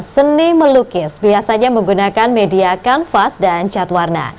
seni melukis biasanya menggunakan media kanvas dan cat warna